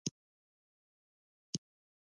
چې پدې توګه د ځمکې لاندې اوبو پر زېرمو اغېز کوي.